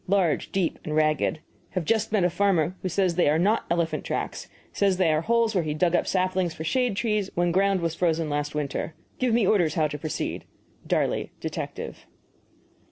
Large, deep, and ragged. Have just met a farmer who says they are not elephant tracks. Says they are holes where he dug up saplings for shade trees when ground was frozen last winter. Give me orders how to proceed. DARLEY, Detective.